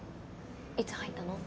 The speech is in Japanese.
いつ入ったの？